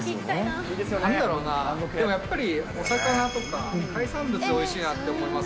なんだろうな、でもやっぱりお魚とか、海産物がおいしいなって思います。